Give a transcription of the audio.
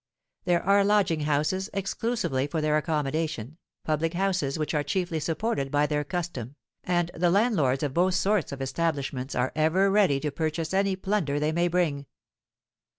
There are lodging houses exclusively for their accommodation, public houses which are chiefly supported by their custom, and the landlords of both sorts of establishments are ever ready to purchase any plunder they may bring.